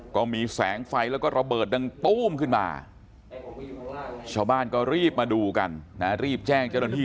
ก็มีแสงไฟแล้วก็ระเบิดดังตู้มขึ้นมาชาวบ้านก็รีบมาดูกันนะรีบแจ้งเจ้าหน้าที่